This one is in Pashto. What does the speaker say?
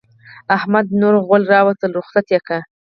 احمد نور غول راوستل؛ رخصت يې کړه.